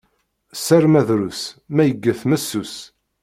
Sser ma drus, ma igget messus.